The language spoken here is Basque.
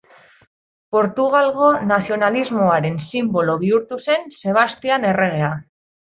Portugalgo nazionalismoaren sinbolo bihurtu zen Sebastian erregea.